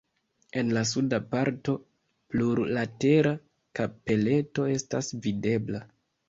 En la suda parto plurlatera kapeleto estas videbla.